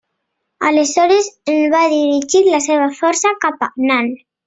Aleshores en va dirigir la seva força cap a Nan.